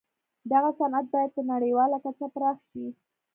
دغه صنعت باید په نړیواله کچه پراخ شي